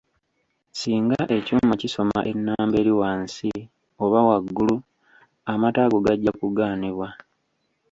Singa ekyuma kisoma ennamba eri wansi oba waggulu amata ago gajja kugaanibwa.